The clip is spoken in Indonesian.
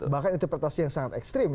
bahkan interpretasi yang sangat ekstrim